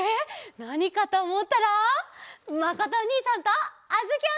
なにかとおもったらまことおにいさんとあづきおねえさんだ！